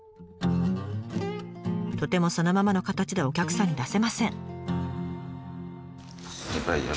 とてもそのままの形ではお客さんに出せません。